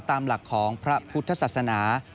ตามหลักของพระพุทธศาสนา